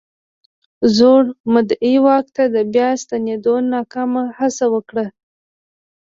زوړ مدعي واک ته د بیا ستنېدو ناکامه هڅه وکړه.